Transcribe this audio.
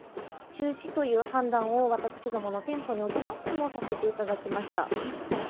中止という判断を、私どもの店舗におきましてもさせていただきました。